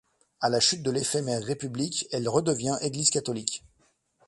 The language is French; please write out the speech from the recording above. À la chute de l’éphémère république, elle redevient église catholique.